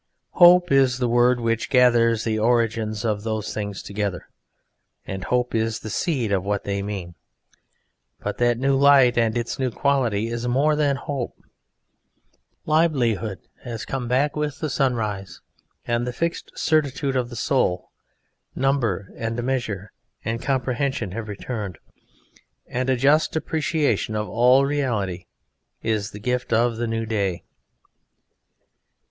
Hope is the word which gathers the origins of those things together, and hope is the seed of what they mean, but that new light and its new quality is more than hope. Livelihood is come back with the sunrise, and the fixed certitude of the soul; number and measure and comprehension have returned, and a just appreciation of all reality is the gift of the new day.